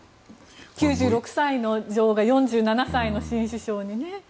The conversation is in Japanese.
９６歳の女王が４７歳の新首相にね。